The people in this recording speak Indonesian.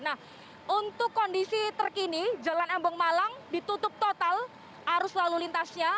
nah untuk kondisi terkini jalan embong malang ditutup total arus lalu lintasnya